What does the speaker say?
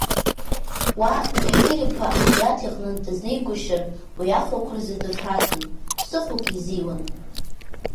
Уа, Кьахьыр-иԥа Ҳаџьараҭ иҟны дызнеигәышьар уи ахәрақәа рзы дыфраҭын, ԥсыхәак изиуан.